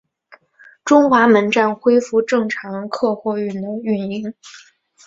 中华门站恢复正常客货运的运营。